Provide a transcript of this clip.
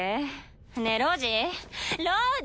ねえロウジ。